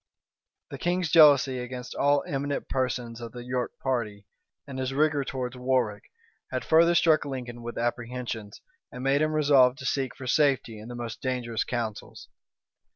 The king's jealousy against all eminent persons of the York party, and his rigor towards Warwick, had further struck Lincoln with apprehensions, and made him resolve to seek for safety in the most dangerous counsels.